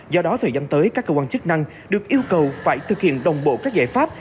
do đó thời gian tới các cơ quan chức năng được yêu cầu phải thực hiện đồng bộ các giải pháp